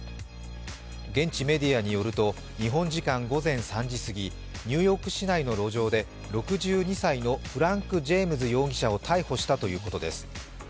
現地メディアによると日本時間午前３時すぎ、ニューヨーク市内の路上で６２歳のフランク・ジェームズ容疑者を逮捕したということです。